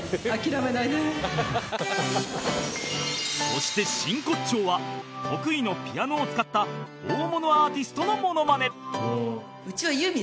そして真骨頂は得意のピアノを使った大物アーティストのモノマネ